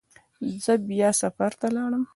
زه بیا سفر ته لاړم.